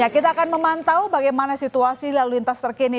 kita akan memantau bagaimana situasi lalu lintas terkini